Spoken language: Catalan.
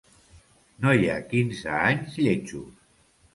No hi ha quinze anys lletjos.